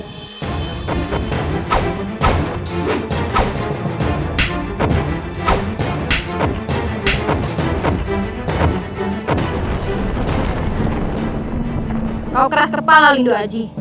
kamu keras kepala liddu aji